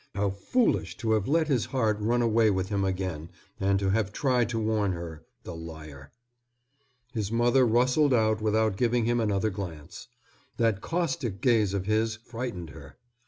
How foolish to have let his heart run away with him again and to have tried to warn her, the liar. His mother rustled out without giving him another glance. That caustic gaze of his frightened her.